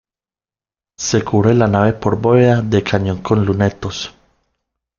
Se cubre la nave por bóveda de cañón con lunetos.